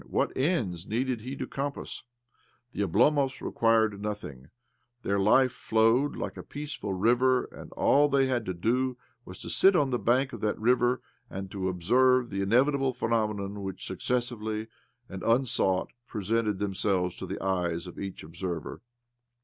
What ends needed he to contoass? The Oblomovs ^ required nothing — their life flowed like a ■ peaceful river, aBd all that they had to ' do was to sit on the bank of that river, and to observe the inevitable phenomena which, successively, and unsought, presented themselves to the eyes of each observer.